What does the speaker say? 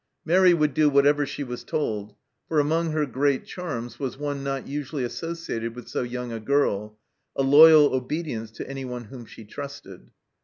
Mairi would do whatever she was told, for among her great charms was one not usually associated with so young a girl a loyal obedience to anyone whom she trusted.